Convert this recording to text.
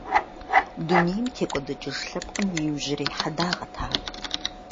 Дунейм текӀуэдыкӀыж лъэпкъым и иужьрей хьэдагъэт ар…